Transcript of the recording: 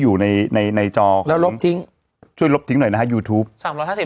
อยู่ในในจอแล้วลบทิ้งช่วยลบทิ้งหน่อยนะฮะยูทูปสามร้อยห้าสิบ